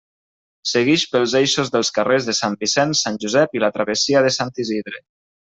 Seguix pels eixos dels carrers de Sant Vicent, Sant Josep i la travessia de Sant Isidre.